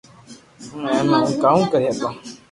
ھمي اي مي ھون ڪاو ڪري ھگو